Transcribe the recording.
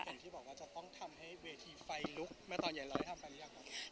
เกิดที่บอกว่าจะต้องทำให้เวทีไฟลุกแม่ตอนใหญ่เราได้ทำกันหรือยัง